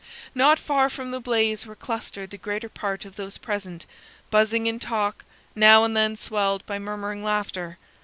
Not far from the blaze were clustered the greater part of those present, buzzing in talk, now and then swelled by murmuring laughter.